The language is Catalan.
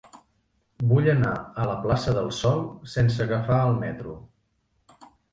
Vull anar a la plaça del Sol sense agafar el metro.